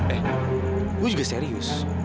eh saya juga serius